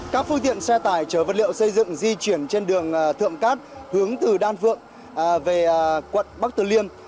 các phương tiện xe tải chở vật liệu xây dựng di chuyển trên đường thượng cát hướng từ đan phượng về quận bắc từ liêm